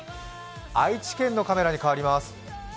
愛知県のカメラに替わります。